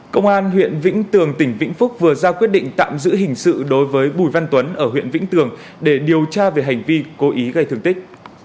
công an huyện vĩnh tường tỉnh vĩnh phúc vừa ra quyết định tạm giữ hình sự đối với bùi văn tuấn ở huyện vĩnh tường để điều tra về hành vi cố ý gây thương tích